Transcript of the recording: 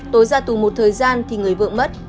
tối ra tù một thời gian thì người vượng mất